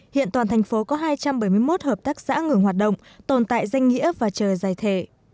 hiện toàn thành phố có hai trăm bảy mươi một hợp tác xã ngừng hoạt động tồn tại danh nghĩa và chờ giải thể